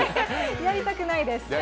やりたくないです。